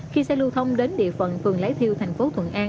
khi xe lưu thông đến địa phận phường lấy thiêu thành phố thuận an